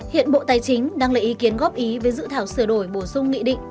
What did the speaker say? hiện bộ tài chính đang lấy ý kiến góp ý với dự thảo sửa đổi bổ sung nghị định